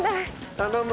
頼む。